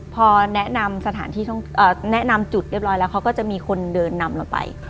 พอแนะนำจุดเรียบร้อยแล้วเขาก็จะมีคนเดินนำเราไป